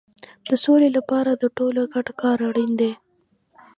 د سولې لپاره د ټولو ګډ کار اړین دی.